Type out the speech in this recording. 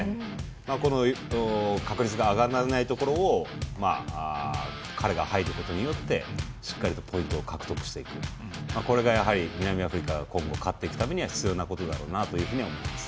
この確率が上がらないところを彼が入ることによってしっかりとポイントを獲得していくこれが、やはり南アフリカが今後勝っていくために必要なことだなと思っています。